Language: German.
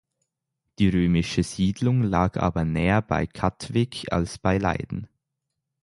Die römische Siedlung lag aber näher bei Katwijk als bei Leiden.